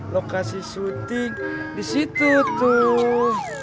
lokasi syuting disitu tuh